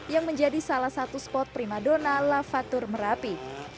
yang menjadi salah satu spot prima donna la fattour merapi